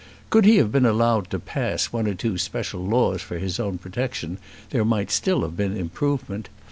Could he have been allowed to pass one or two special laws for his own protection, there might still have been improvement.